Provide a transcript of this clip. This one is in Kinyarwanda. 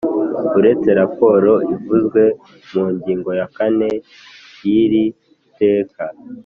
Uretse raporo ivuzwe mu ngingo ya kane y’iri teka